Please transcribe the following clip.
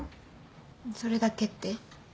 それだけって？